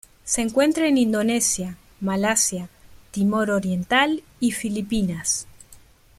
Se encuentra en Indonesia Malasia Timor Oriental y Filipinas.